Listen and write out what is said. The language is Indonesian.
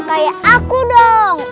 kayak aku dong